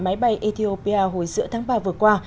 máy bay ethiopia hồi giữa tháng ba vừa qua